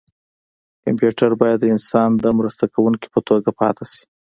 کمپیوټر باید د انسان د مرسته کوونکي په توګه پاتې شي.